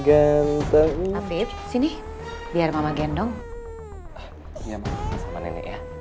ganteng afif sini biar mama gendong iya sama nenek ya